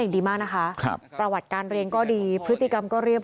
ดีมากนะคะครับประวัติการเรียนก็ดีพฤติกรรมก็เรียบ